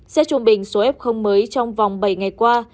xét trung bình số f mới trong vòng bảy ngày qua